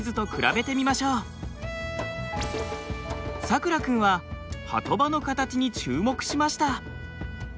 さくら君は波止場の形に注目しました。